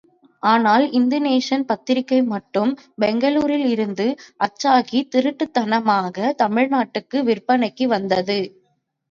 ஆனால் இந்துநேசன் பத்திரிகை மட்டும் பெங்களூரில் இருந்து அச்சாகித் திருட்டுத்தனமாக தமிழ்நாட்டுக்கு விற்பனைக்கு வந்தது.